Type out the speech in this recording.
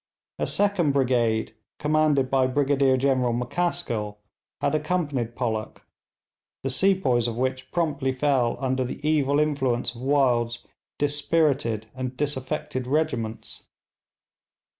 A second brigade commanded by Brigadier General McCaskill, had accompanied Pollock, the sepoys of which promptly fell under the evil influence of Wild's dispirited and disaffected regiments.